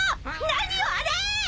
何よあれ！？